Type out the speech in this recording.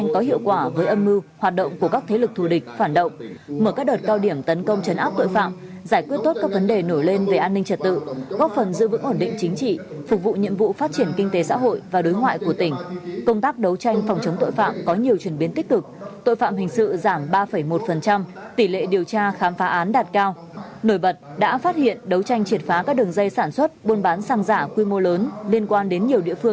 có hiệu quả với âm mưu hoạt động của các thế lực thù địch phản động mở các đợt cao điểm tấn công chấn áp tội phạm giải quyết tốt các vấn đề nổi lên về an ninh trả tự góp phần giữ vững ổn định chính trị phục vụ nhiệm vụ phát triển kinh tế xã hội và đối ngoại của tỉnh công tác đấu tranh phòng chống tội phạm có nhiều chuyển biến tích cực tội phạm hình sự giảm ba một tỷ lệ điều tra khám phá án đạt cao nổi bật đã phát hiện đấu tranh triệt phá các đường dây sản xuất buôn bán sang giả quy mô